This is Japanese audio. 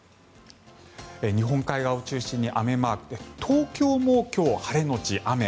日本海側を中心に雨マークで東京も今日、晴れのち雨。